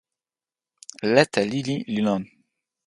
lete lili li lon.